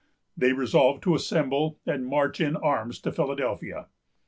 They resolved to assemble and march in arms to Philadelphia.